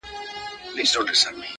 • پرواز په پردي وزر -